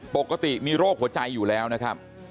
ปกติมีโรคหัวใจอยู่แล้วนะครับ